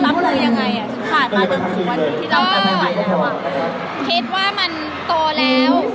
ผ่านมาถึงสักวันที่เราคิดว่ามันโตแล้ว